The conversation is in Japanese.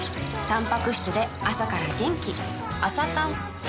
たんぱく質で朝から元気